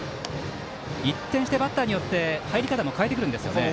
一転して、バッターによって入り方も変えてくるんですね。